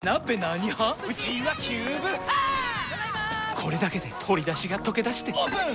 これだけで鶏だしがとけだしてオープン！